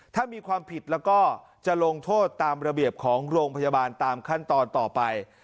ถ้ามีความผิดแล้วก็จะลงโทษตามระเบียบของโรงพยาบาลตามขั้นตอนต่อไป